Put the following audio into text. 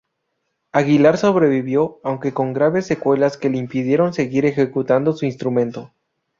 Aguilar sobrevivió, aunque con graves secuelas que le impidieron seguir ejecutando su instrumento.